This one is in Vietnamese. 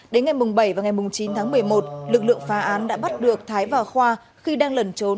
đến ngày bảy và ngày chín tháng một mươi một lực lượng phá án đã bắt được thái và khoa khi đang lẩn trốn